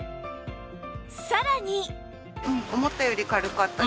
さらに